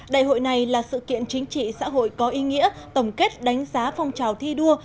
đại hội này là sự kiện chính trị xã hội có ý nghĩa tổng kết đánh giá phong trào thi đua